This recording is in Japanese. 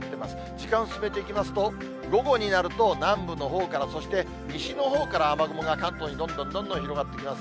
時間進めていきますと、午後になると南部のほうから、そして西のほうから雨雲が関東にどんどんどんどん広がってきます。